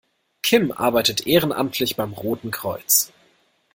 Kim arbeitet ehrenamtlich beim Roten Kreuz.